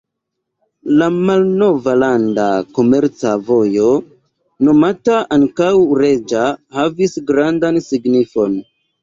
La malnova landa komerca vojo, nomata ankaŭ "reĝa", havis grandan signifon.